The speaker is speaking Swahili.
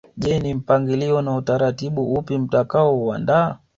Je ni mpangilio na utaratibu upi mtakaouandaa